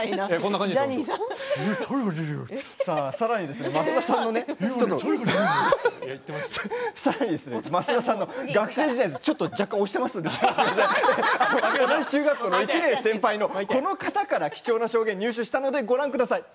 さらに増田さんの学生時代について、若干押していますので同じ中学校の１年先輩のこの方から貴重な証言を入手しました。